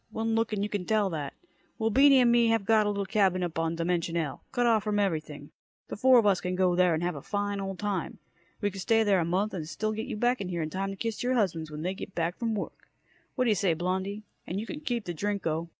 One look and you can tell that. Well, Beany and me have got a little cabin up on Dimension L, cut off from everything. The four of us can go there and have a fine old time. We could stay there a month, and still get you back here in time to kiss your husbands when they get in from work. Whaddya say, Blondie? And you can keep the Drinko!"